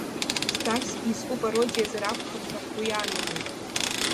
Стальски изку пародиазар акәхап ҳәа ҳгәы иаанагоит.